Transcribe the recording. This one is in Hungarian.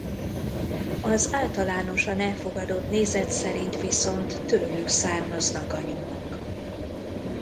Az általánosan elfogadott nézet szerint viszont tőlük származnak a nyomok.